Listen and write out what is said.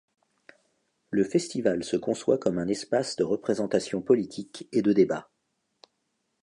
Le festival se conçoit comme un espace de représentation politique et de débats.